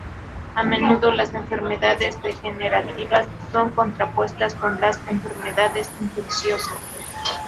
A menudo las enfermedades degenerativas son contrapuestas con las enfermedades infecciosas.